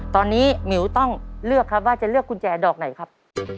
ตอนนี้หมิวต้องเลือกครับว่าจะเลือกกุญแจดอกไหนครับ